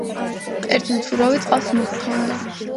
ერთი მცურავი წყალს მოჰქონდა